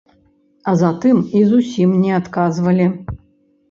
А затым і зусім не адказвалі.